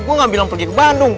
gue gak bilang pergi ke bandung